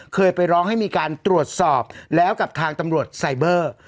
เคยไปร้องให้มีการตรวจสอบแล้วกับทางตำรวจไซเบอร์